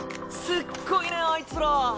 すっごいねあいつら。